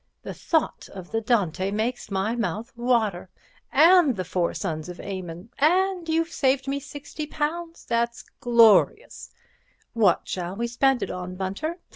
The thought of the Dante makes my mouth water—and the 'Four Sons of Aymon.' And you've saved me £60—that's glorious. What shall we spend it on, Bunter?